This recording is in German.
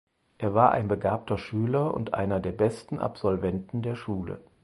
Er war ein begabter Schüler und einer der besten Absolventen der Schule.